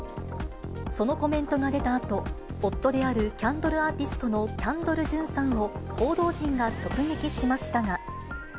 そのコメントが出たあと、夫であるキャンドルアーティストのキャンドル・ジュンさんを報道陣が直撃しましたが。